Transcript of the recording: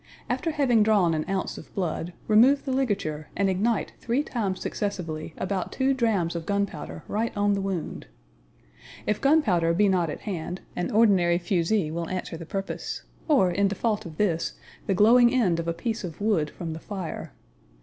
After having drawn an ounce of blood, remove the ligature and ignite three times successively about two drams of gunpowder right on the wound. If gunpowder be not at hand, an ordinary fusee will answer the purpose: or, in default of this, the glowing end of a piece of wood from the fire.